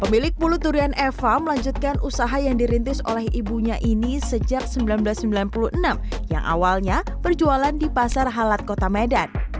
pemilik bulu durian eva melanjutkan usaha yang dirintis oleh ibunya ini sejak seribu sembilan ratus sembilan puluh enam yang awalnya berjualan di pasar halat kota medan